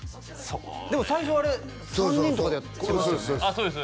でも最初あれ３人とかでやってそうです